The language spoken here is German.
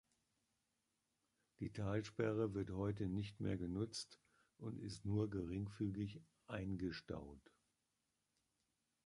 Die Talsperre wird heute nicht mehr genutzt und ist nur geringfügig eingestaut.